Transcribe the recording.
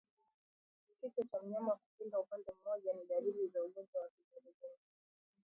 Kichwa cha mnyama kupinda upande mmoja ni dalili za ugonjwa wa kizunguzungu